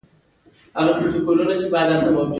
هغې د نازک محبت په اړه خوږه موسکا هم وکړه.